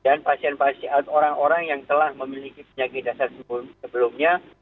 dan pasien pasien orang orang yang telah memiliki penyakit dasar sebelumnya